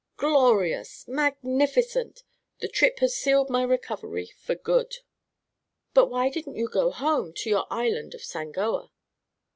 "Glorious magnificent! The trip has sealed my recovery for good." "But why didn't you go home, to your Island of Sangoa?"